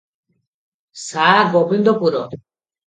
Sa - Gobindapur.